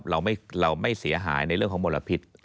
เราไม่เสียหายในเรื่องของมลพิษ